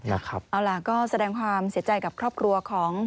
เอาล่ะก็แสดงความเสียใจกับครอบครัวของ